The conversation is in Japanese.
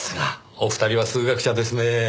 お二人は数学者ですねぇ。